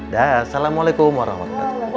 dah assalamualaikum warahmatullahi wabarakatuh